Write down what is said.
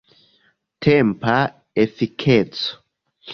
Tempa efikeco.